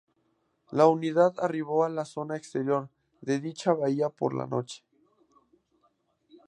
La unidad arribó a la zona exterior de dicha bahía por la noche.